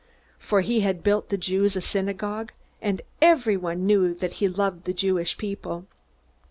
For he had built the Jews a synagogue, and everyone knew that he loved the Jewish people.